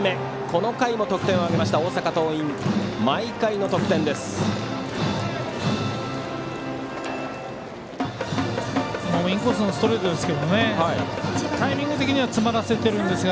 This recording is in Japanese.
この回も得点を挙げました大阪桐蔭、毎回の得点です。